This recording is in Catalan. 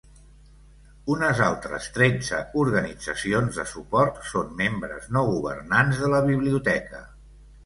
Unes altres tretze organitzacions de suport són membres no governants de la biblioteca.